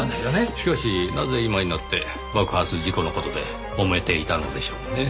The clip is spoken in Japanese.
しかしなぜ今になって爆発事故の事でもめていたのでしょうねぇ。